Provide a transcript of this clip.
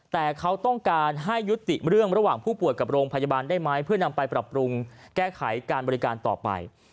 แต่เขาต้องการให้ยุติเรื่องระหว่างผู้ป่วยกับโรงพยาบาลได้ไหมเพื่อนำไปปรับปรุงแก้ไขการบริการต่อไป